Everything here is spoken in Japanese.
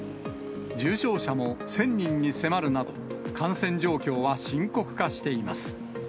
重症者も１０００人に迫るなど、感染状況は深刻化しています。